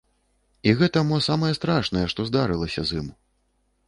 І гэта мо самае страшнае, што здарылася з ім.